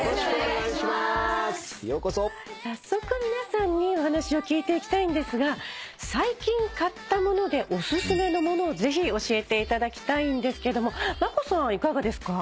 早速皆さんにお話を聞いていきたいんですが最近買った物でお薦めの物をぜひ教えていただきたいんですがＭＡＫＯさんいかがですか？